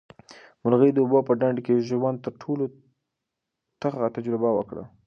مرغۍ د اوبو په ډنډ کې د ژوند تر ټولو تخه تجربه وکړه.